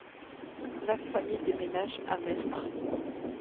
La famille déménage à Mestre.